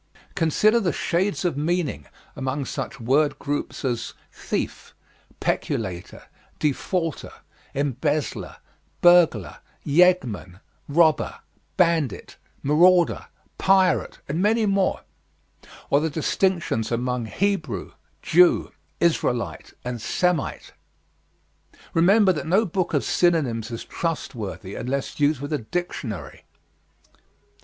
Consider the shades of meanings among such word groups as thief, peculator, defaulter, embezzler, burglar, yeggman, robber, bandit, marauder, pirate, and many more; or the distinctions among Hebrew, Jew, Israelite, and Semite. Remember that no book of synonyms is trustworthy unless used with a dictionary.